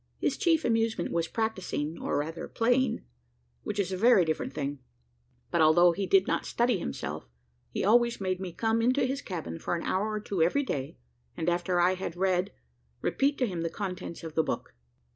His chief amusement was practising, or rather playing, which is a very different thing; but although he did not study himself, he always made me come into his cabin for an hour or two every day, and after I had read, repeat to him the contents of the book.